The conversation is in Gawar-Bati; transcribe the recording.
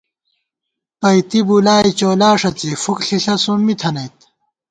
پئیتی بُلائےچولا ݭڅی ، فُک ݪِݪہ سومّی تھنَئیت